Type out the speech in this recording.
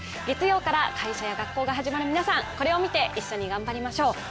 月曜から会社や学校が始まる皆さん、これを見て一緒に頑張りましょう。